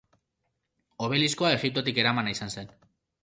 Obeliskoa Egiptotik eramana izan zen.